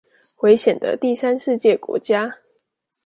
危險的第三世界國家